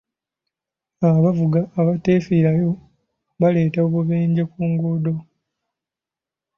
Abavuga abateefiirayo baleeta obubenje ku nguudo.